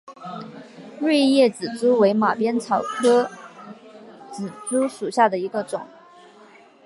锐叶紫珠为马鞭草科紫珠属下的一个种。